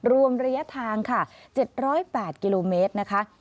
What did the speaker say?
รวมระยะทางค่ะ๗๐๘กิโลเมตรนะคะ